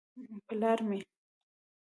_ پلار مې.